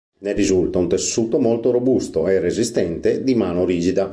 Ne risulta un tessuto molto robusto e resistente di mano rigida.